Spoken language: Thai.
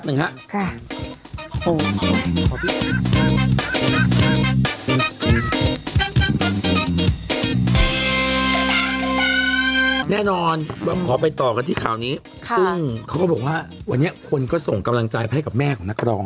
อืมเขาก็บอกว่าวันนี้คนก็ส่งกำลังใจไปให้กับแม่ของนักร้อง